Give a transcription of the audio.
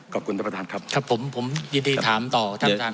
ขอบคุณท่านประธานครับครับผมผมยินดีถามต่อท่านประธาน